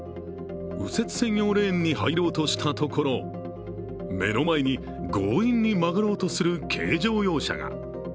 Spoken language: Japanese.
右折専用レーンに入ろうとしたところ目の前に強引に曲がろうとする軽乗用車が。